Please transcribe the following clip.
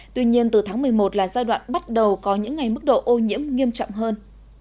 tuy nhiên từ tháng một mươi một là giai đoạn bắt đầu có những ngày mức độ ô nhiễm nghiêm trọng hơn